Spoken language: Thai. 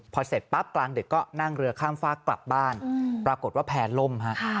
พอเสร็จปั๊บกลางดึกก็นั่งเรือข้ามฝากกลับบ้านปรากฏว่าแพร่ล่มฮะ